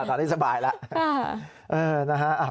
ตอนนี้สบายแล้ว